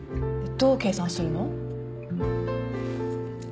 どう計算するの？